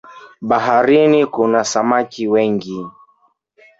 Baharini kuna samaki wengi